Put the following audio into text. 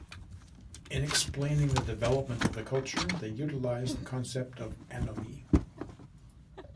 In explaining the development of the culture, they utilized the concept of "anomie".